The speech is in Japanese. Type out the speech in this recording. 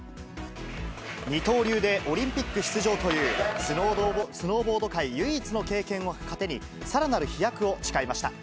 二刀流でオリンピック出場という、スノーボード界唯一の経験を糧に、さらなる飛躍を誓いました。